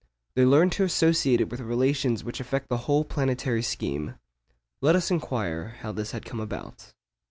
They learned to associate it with relations which affect the whole planetary scheme. Let us inquire how this had come about.